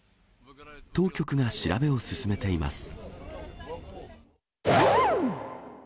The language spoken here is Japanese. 当局が調べを進めています。